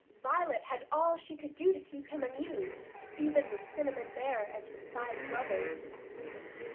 Violet had all she could do to keep him amused, even with Cinnamon Bear and his five brothers.